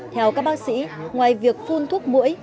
theo các bác sĩ ngoài việc phun thuốc mũi